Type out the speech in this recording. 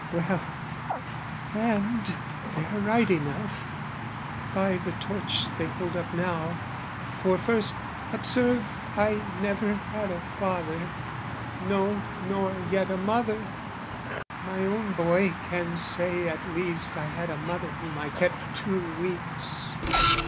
Well, and they are right enough, By the torch they hold up now: for first, observe, I never had a father, no, nor yet A mother: my own boy can say at least "I had a mother whom I kept two weeks!"